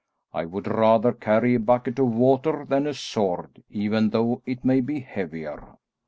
I would rather carry a bucket of water than a sword, even though it may be heavier."